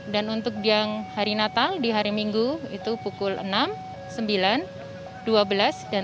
dan untuk yang hari natal di hari minggu itu pukul enam sembilan dua belas dan tujuh belas